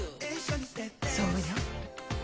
そうよ。